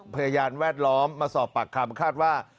พยานแวดล้อมมาสอบปากคำคาดว่า